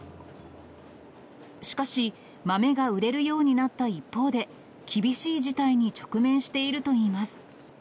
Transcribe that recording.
しかし、豆が売れるようになった一方で、厳しい事態に直面しているといいます。